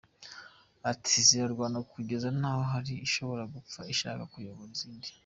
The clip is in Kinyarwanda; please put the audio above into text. Ati “Zirarwana kugeza n’aho hari ishobora gupfa ishaka kuyobora izindi.